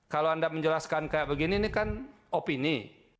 kalau anda menjelaskan kayak begini ini kan opini